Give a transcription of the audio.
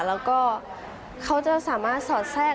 แล้วก็เขาจะสามารถสอดแทรก